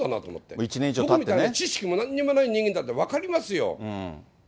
僕らみたいな知識もなんにもない人間だって分かりますよ。